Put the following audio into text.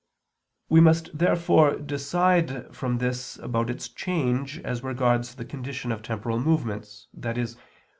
We must, therefore, decide from this about its change as regards the condition of temporal movements, i.e.